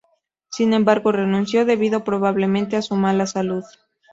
Sin embargo renunció, debido probablemente a su mala salud.